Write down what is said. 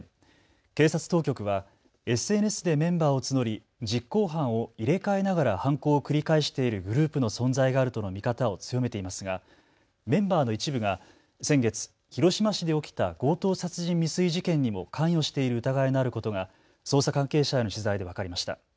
警察当局はＳＮＳでメンバーを募り実行犯を入れ替えながら犯行を繰り返しているグループの存在があるとの見方を強めていますがメンバーの一部が先月、広島市で起きた強盗殺人未遂事件にも関与している疑いのあることが捜査関係者への取材で分かりました。